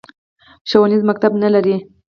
ښوونیز مکتب نه لري